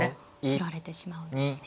取られてしまうんですね。